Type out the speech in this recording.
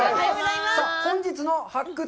さあ本日の「発掘！